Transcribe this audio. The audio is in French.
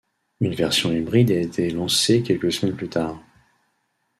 Une version hybride a été lancée quelques semaines plus tard.